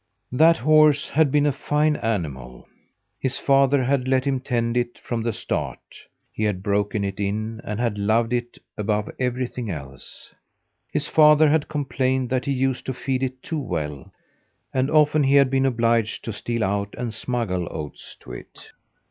That horse had been a fine animal. His father had let him tend it from the start. He had broken it in and had loved it above everything else. His father had complained that he used to feed it too well, and often he had been obliged to steal out and smuggle oats to it.